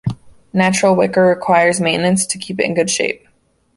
Natural wicker requires maintenance to keep it in good shape.